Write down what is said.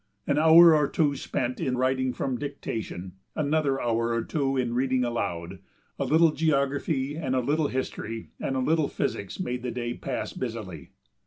An hour or two spent in writing from dictation, another hour or two in reading aloud, a little geography and a little history and a little physics made the day pass busily.